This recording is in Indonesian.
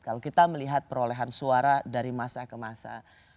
kalau kita melihat perolehan suara dari masa ke masa